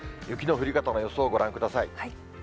雪の降り方の予想をご覧ください。